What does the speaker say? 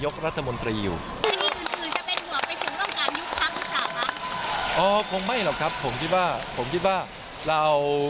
อ๋อคงไม่หรอกครับผมคิดว่า